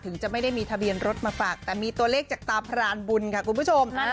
จะไม่ได้มีทะเบียนรถมาฝากแต่มีตัวเลขจากตาพรานบุญค่ะคุณผู้ชม